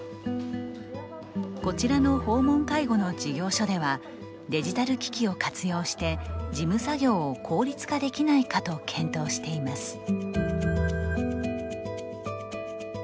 こちらの訪問介護の事業所ではデジタル機器を活用して事務作業を効率化できないかと検討しています。